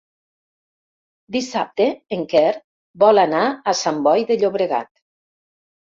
Dissabte en Quer vol anar a Sant Boi de Llobregat.